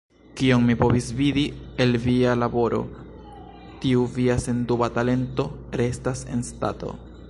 Kiom mi povis vidi el via laboro, tiu via senduba talento restas en stato.